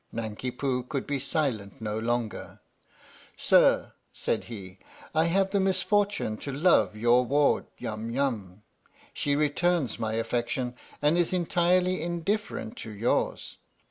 Nanki Poo could be silent no longer. " Sir," said he, " I have the misfortune to love your ward Yum Yum ; she returns my affection and is entirely indifferent to yours.